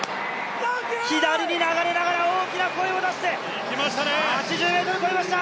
左に流れながら大きな声を出して、８０ｍ越えました。